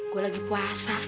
gua lagi puasa